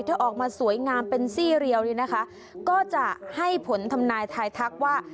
ถ้าออกมาสวยงามเป็นซี่เรียวนี่นะคะก็จะให้ผลทำนายทายทักว่า